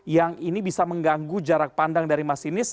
yang ini bisa mengganggu jarak pandang dari masinis